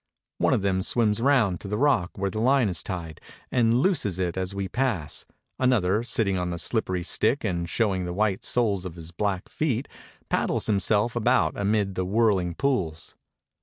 One of them swims round to the rock where a Hne is tied, and looses it as we pass; another, sitting on the shppery stick and showing the white soles of his black feet, paddles himself about amid the whirl pools.